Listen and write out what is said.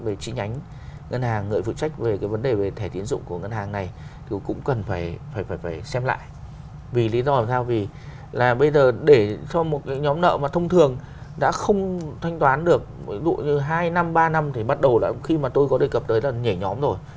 ví dụ như hai năm ba năm thì bắt đầu là khi mà tôi có đề cập tới là nhảy nhóm rồi